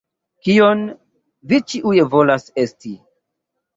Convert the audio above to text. Kion... vi ĉiuj volas esti.